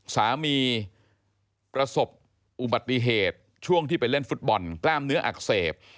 ประสบอุบัติเหตุช่วงที่ไปเล่นฟุตบอลกล้ามเนื้ออักเสบ